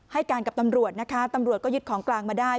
ให้การกับตำรวจนะคะตำรวจก็ยึดของกลางมาได้